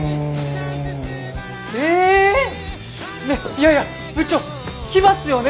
いやいや部長来ますよね？